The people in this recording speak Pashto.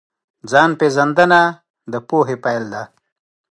ځان پېژندنه د پوهې پیل دی.